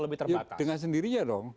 lebih terbatas dengan sendirinya dong